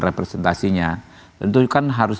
representasinya tentu kan harus